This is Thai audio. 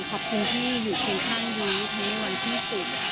ขอบคุณที่อยู่เคียงข้างยุ้ยทั้งในวันที่สุด